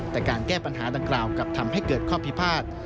แต่การแก้ปัญหาดังกล่าวกลับทำให้เกิดข้อพิพาท